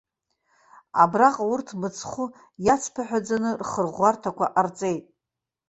Абраҟа урҭ мыцхәы иацԥыҳәаӡаны рхырӷәӷәарҭақәа ҟарҵеит.